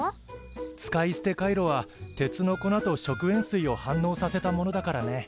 使い捨てカイロは鉄の粉と食塩水を反応させたものだからね。